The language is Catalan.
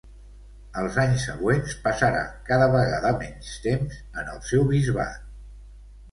Als anys següents passarà cada vegada menys temps en el seu bisbat.